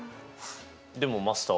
でもマスター。